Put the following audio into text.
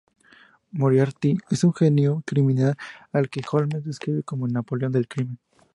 Moriarty es un genio criminal al que Holmes describe como "el Napoleón del crimen".